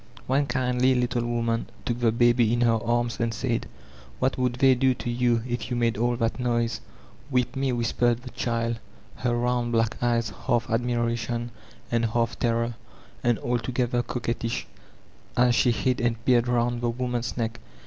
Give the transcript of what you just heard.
One kindly little woman took the baby in her arms and said: *'What would they do to you, if you made all that noise*'' — ^"Whip me/' whispered the diikL her round black eyes half admiration and half terror, and altogether coquettish, as she hid and peered round the woman's neck.